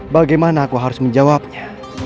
bagaimana aku harus menjawabnya